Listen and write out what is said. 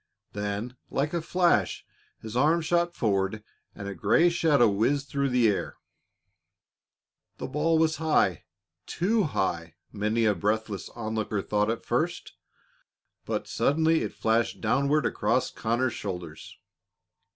Then, like a flash, his arm shot forward and a gray shadow whizzed through the air. The ball was high too high, many a breathless onlooker thought at first. But suddenly it flashed downward across Conner's shoulders.